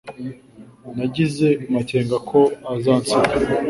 Nagize amakenga ko azansiga.